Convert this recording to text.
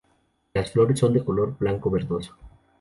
Las flores son de color blanco-verdoso.